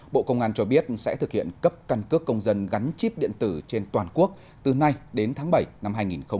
bộ công an cho biết sẽ thực hiện cấp căn cước công dân gắn chip điện tử trên toàn quốc từ nay đến tháng bảy năm hai nghìn hai mươi